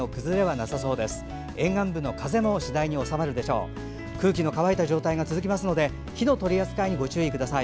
なお、空気の乾いた状態が続きますので火の取り扱いには十分ご注意ください。